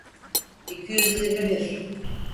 İki yüz yirmi bir.